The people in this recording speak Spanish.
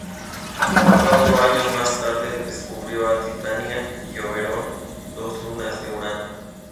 Cuatro años más tarde, descubrió a Titania y Oberón, dos lunas de Urano.